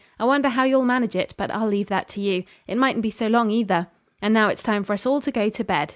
'I wonder how you'll manage it, but I'll leave that to you. It mightn't be so long either. And now it's time for us all to go to bed.